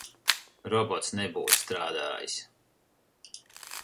Robots nebūtu strādājis.